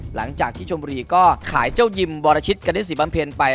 หลังจากที่ชมบุรีก็ขายเจ้ายิมบรชิตกณิตศรีบำเพ็ญไป